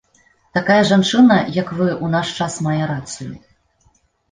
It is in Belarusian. Такая жанчына, як вы, у наш час мае рацыю.